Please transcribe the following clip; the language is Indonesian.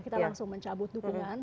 kita langsung mencabut dukungan